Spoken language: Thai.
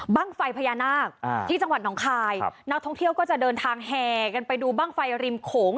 ไฟพญานาคที่จังหวัดหนองคายนักท่องเที่ยวก็จะเดินทางแห่กันไปดูบ้างไฟริมโขง